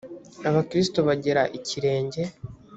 abakristo bagera ikirenge